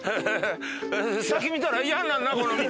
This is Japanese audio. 先見たらイヤになるなこの道。